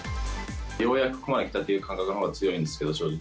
ようやくここまで来たという感覚のほうが強いんですけど、正直。